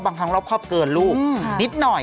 ครั้งรอบครอบเกินลูกนิดหน่อย